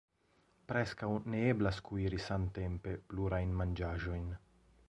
Preskaŭ ne eblas kuiri samtempe plurajn manĝaĵojn.